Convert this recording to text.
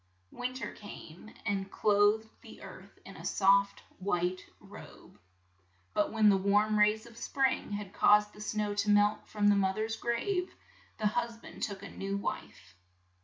Win ter came and clothed the earth in a soft white robe, but when the warm rays of spring had caused the snow to melt from the moth er's grave, the hus band took a new wife.